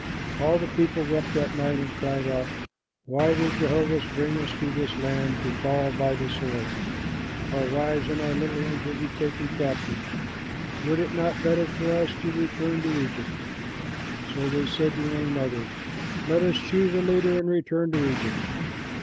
All the people wept that night and cried out, "Why did Jehovah bring us to this land to fall by the sword? Our wives and our little ones will be taken captive. Would it not be better for us to return to Egypt?" So they said to one another, "Let us choose a leader and return to Egypt."